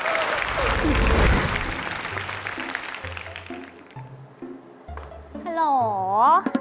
ฮัลโหล